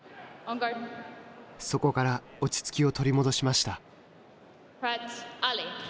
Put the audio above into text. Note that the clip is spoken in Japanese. そこから落ち着きを取り戻しました。